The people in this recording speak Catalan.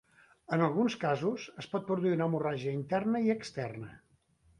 En alguns casos, es pot produir una hemorràgia interna i externa.